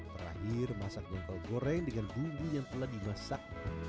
terakhir masak jengkol goreng dengan bumbu yang telah dimasak